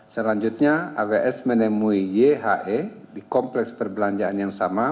selanjutnya aws menemui yhe di kompleks perbelanjaan yang sama